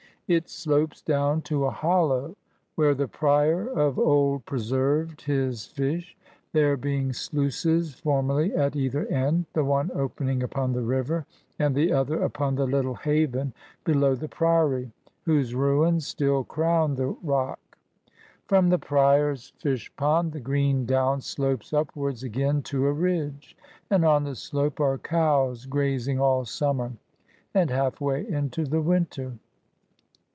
It slopes down to a hollow, where the Prior of old preserved his fish, there being sluices formerly at either end, the one opening upon the river, and the other upon the little haven below the Priory^ whose ruins still crown the rock. From the Prior's fish pond, the green down slopes upwards again to a ridge ; and on the slope are cows grazing all summer, and half way into the winter.